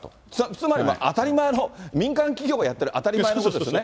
つまり当たり前の、民間企業がやってる当たり前のことですよね。